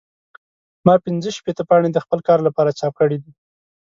ما پنځه شپېته پاڼې د خپل کار لپاره چاپ کړې دي.